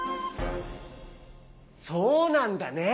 そうなんだね。